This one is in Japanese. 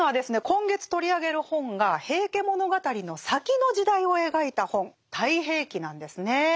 今月取り上げる本が「平家物語」の先の時代を描いた本「太平記」なんですね。